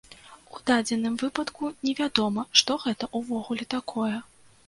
У дадзеным выпадку невядома, што гэта ўвогуле такое.